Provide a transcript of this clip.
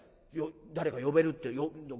誰か呼べるって。